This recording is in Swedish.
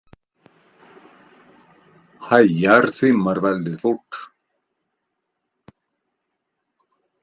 Hajar simmar väldigt fort.